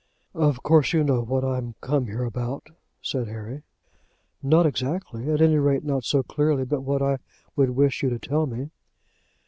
"Of course, you know what I'm come here about?" said Harry. "Not exactly; at any rate not so clearly but what I would wish you to tell me."